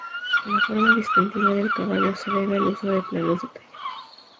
La forma distintiva del caballo se debe al uso de planos de talla.